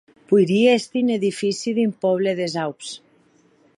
Poirie èster un edifici d'un pòble des Aups.